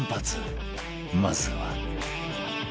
まずは